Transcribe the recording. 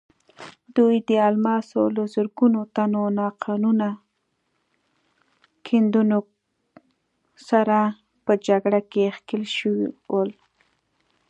دوی د الماسو له زرګونو تنو ناقانونه کیندونکو سره په جګړه کې ښکېل شول.